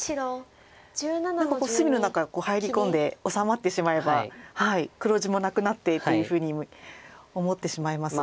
隅の中へ入り込んで治まってしまえば黒地もなくなってっていうふうに思ってしまいますが。